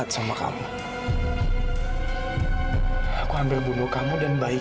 aku sudah sampe setting honesty will di tempat selesai